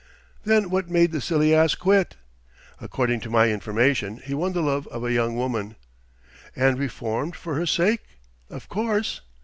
"Then what made the silly ass quit?" "According to my information, he won the love of a young woman " "And reformed for her sake, of course?"